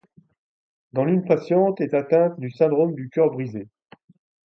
Dans l' une patiente est atteinte du syndrome du cœur brisé.